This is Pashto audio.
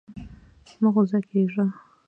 مه غوسه کېږه.